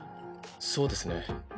そうですね。